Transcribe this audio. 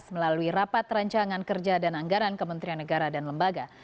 melalui rapat rancangan kerja dan anggaran kementerian negara dan lembaga